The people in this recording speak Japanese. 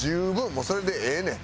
もうそれでええねん。